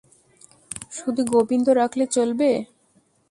শুধু গোবিন্দ রাখলে চলবে?